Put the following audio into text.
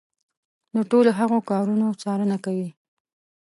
د ټولو هغو کارونو څارنه کوي.